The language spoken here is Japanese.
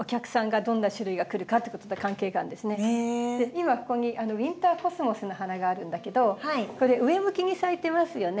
今ここにウインターコスモスの花があるんだけどこれ上向きに咲いてますよね。